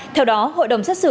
theo đó hội đồng xét xử